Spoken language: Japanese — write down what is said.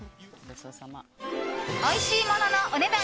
おいしいもののお値段